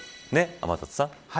天達さん。